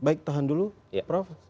baik tahan dulu prof